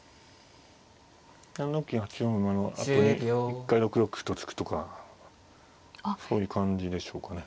７六銀８四馬のあとに一回６六歩と突くとかそういう感じでしょうかね。